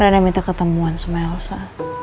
reina minta ketemuan sama elsa